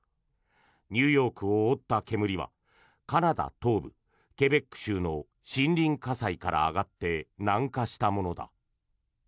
ニューヨークを覆った煙はカナダ東部ケベック州の森林火災から上がって南下したものだ。